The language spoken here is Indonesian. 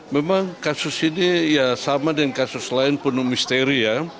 memang kasus ini ya sama dengan kasus lain penuh misteri ya